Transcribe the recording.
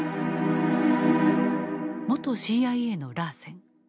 元ＣＩＡのラーセン。